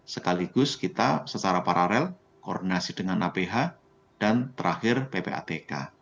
sekaligus kita secara paralel koordinasi dengan aph dan terakhir ppatk